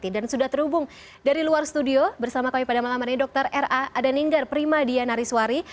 dan sudah terhubung dari luar studio bersama kami pada malam hari ini dr r a adaningar primadianariswari